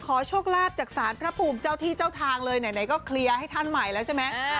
โชคลาภจากศาลพระภูมิเจ้าที่เจ้าทางเลยไหนก็เคลียร์ให้ท่านใหม่แล้วใช่ไหม